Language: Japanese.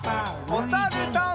おさるさん。